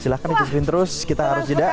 silahkan kesepin terus kita harus tidak